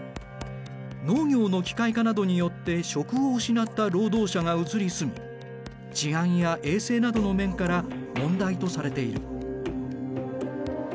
農業の機械化などによって職を失った労働者が移り住み治安や衛生などの面から問題とされている。